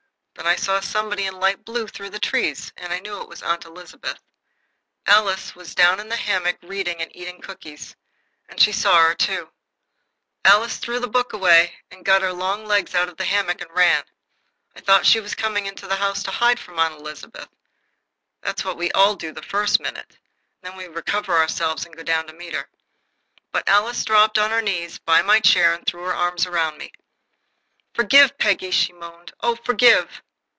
Then I saw somebody in light blue through the trees, and I knew it was Aunt Elizabeth. Alice was down in the hammock reading and eating cookies, and she saw her, too. Alice threw the book away and got her long legs out of the hammock and ran. I thought she was coming into the house to hide from Aunt Elizabeth. That's what we all do the first minute, and then we recover ourselves and go down and meet her. But Alice dropped on her knees by my chair and threw her arms round me. "Forgive, Peggy," she moaned. "Oh, forgive!"